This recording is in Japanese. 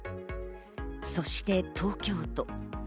そして東京都。